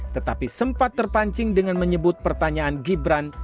tetapi sempat terpancing dengan menyebut pertanyaan gibran